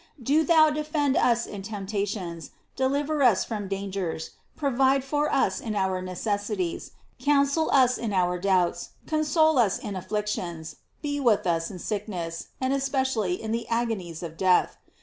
Do thou defend us in temptations, deliver us from dangers, provide for us in our necessities, coun sel us in our doubts, console us in afflictions, be with us in sickness, and especially in the agonies of death.